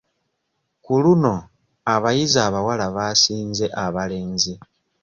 Ku luno abayizi abawala baasinze abalenzi.